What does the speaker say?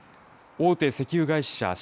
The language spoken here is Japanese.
大手石油会社